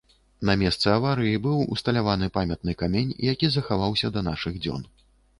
На месцы аварыі быў усталяваны памятны камень, які захаваўся да нашых дзён.